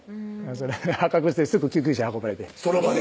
それ発覚してすぐ救急車運ばれてその場で？